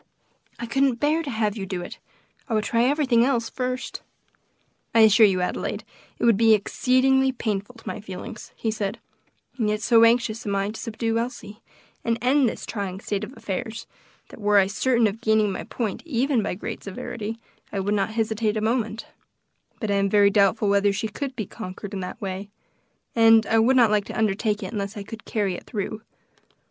I couldn't bear to have you do it. I would try everything else first." "I assure you, Adelaide, it would be exceedingly painful to my feelings," he said, "and yet so anxious am I to subdue Elsie, and end this trying state of affairs, that were I certain of gaining my point, even by great severity, I would not hesitate a moment, but I am very doubtful whether she could be conquered in that way, and I would not like to undertake it unless I could carry it through.